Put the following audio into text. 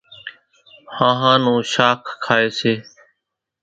ۿانۿان نون شاک کائيَ سي۔